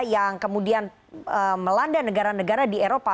yang kemudian melanda negara negara di eropa